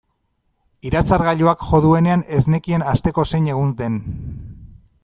Iratzargailuak jo duenean ez nekien asteko zein egun den.